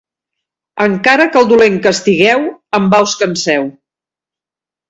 Encara que el dolent castigueu, en va us canseu.